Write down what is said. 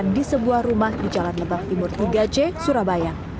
di sebuah rumah di jalan lebak timur tiga c surabaya